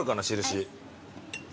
印。